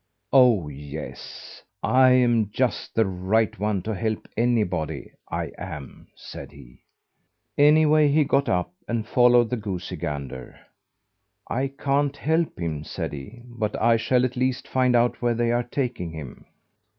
"Oh, yes! I'm just the right one to help anybody, I am!" said he. Anyway he got up and followed the goosey gander. "I can't help him," said he, "but I shall at least find out where they are taking him."